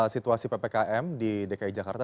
situasi ppkm di dki jakarta